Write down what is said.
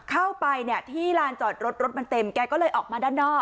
เข้าไปเนี่ยที่ลานจอดรถรถมันเต็มแกก็เลยออกมาด้านนอก